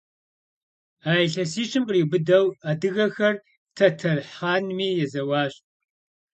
А илъэсищым къриубыдэу адыгэхэр тэтэр хъанми езэуащ.